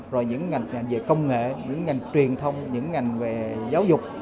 rồi những ngành về công nghệ những ngành truyền thông những ngành về giáo dục